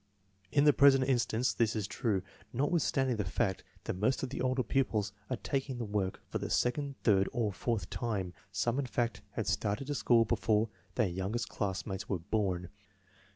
In the present instance this is true, not withstanding the fact that most of the older pupils are taking the work for the second, third, or fourth time. Some, in fact, had started to school before their young est classmates were born.